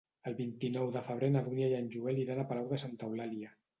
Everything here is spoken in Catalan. El vint-i-nou de febrer na Dúnia i en Joel iran a Palau de Santa Eulàlia.